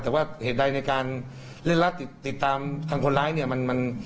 แต่ว่าเหตุใดในการเล่นรัดติดตามทางคนร้ายเนี่ย